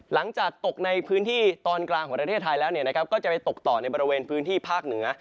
หลังจากตกในพื้นที่ตอนกลางของประเทศไทยแล้วก็จะไปตกต่อในบริเวณพื้นที่ภาคเหนือ